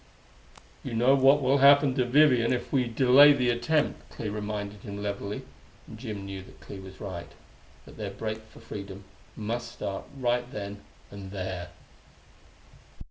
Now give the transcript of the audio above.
"You know what will happen to Vivian if we delay the attempt." Clee reminded him levelly: and Jim knew that Clee was right that their break for freedom must start right then and there....